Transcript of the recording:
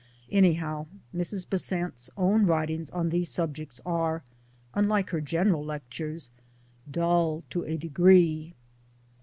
Anyhow Mrs. Besant 's own writings on these subjects are unlike her general lectures dull to a degree.